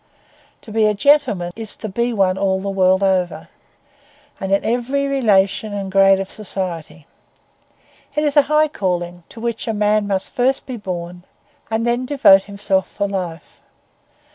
To be a gentleman is to be one all the world over, and in every relation and grade of society. It is a high calling, to which a man must first be born, and then devote himself for life.